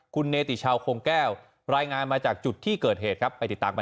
คุณเนติชาวโครงแก้วรายงานมาจากจุดที่เกิดเหตุครับไปติดตามกัน